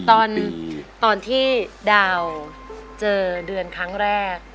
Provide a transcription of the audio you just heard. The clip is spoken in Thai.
ตอนที่ดาวเจอเดือนครั้งแรก